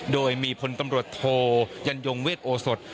โดยมีพลตำรวจโทยันยงเวทโอสด